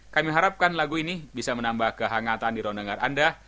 kami harapkan lagu ini bisa menambah kehangatan di ruang dengar anda